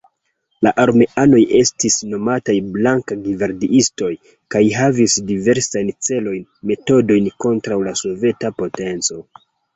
La armeanoj estis nomataj blank-gvardiistoj, kaj havis diversajn celojn, metodojn kontraŭ la soveta potenco.